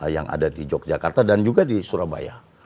yang ada di yogyakarta dan juga di surabaya